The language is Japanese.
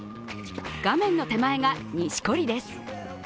画面の手前が錦織です。